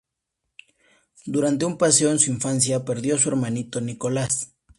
Durante un paseo en su infancia perdió a su hermanito Nicolás.